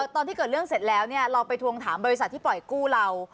ตอนที่เกิดเรื่องเสร็จแล้วเราไปทวงถามบริษัทที่ปล่อยกู้เรา